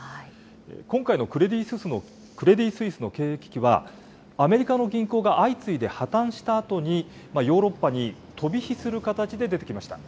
今回のクレディ・スイスの経営危機は、アメリカの銀行が相次いで破綻したあとに、ヨーロッパに飛び火する形で出てきました。